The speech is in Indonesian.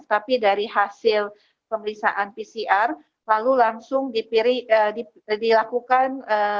tapi dari hasil pemeriksaan pcr lalu langsung dilakukan